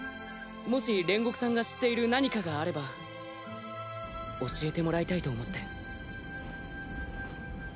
「もし煉獄さんが知っている何かがあれば教えてもらいたいと思って」